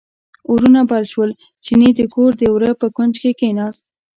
اورونه بل شول، چیني د کور د وره په کونج کې کیناست.